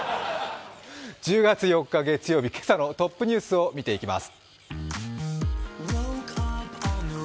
１０月４日月曜日、今朝のトップニュースを見ていきます。